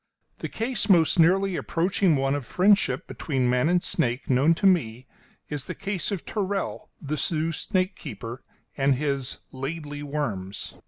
The case most nearly approaching one of friendship between man and snake known to me is the case of Tyrrell, the Zoo snake keeper, and his "laidly worms."